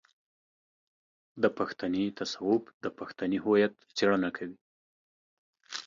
د پښتني تصوف د پښتني هويت څېړنه کوي.